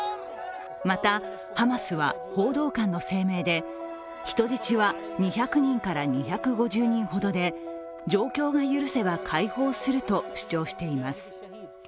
また、ハマスは報道官の声明で、人質は２００人から２５０人ほどで状況が許せば解放すると主張しています。